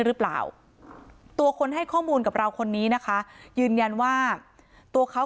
หรือเปล่าตัวคนให้ข้อมูลกับเราคนนี้นะคะยืนยันว่าตัวเขา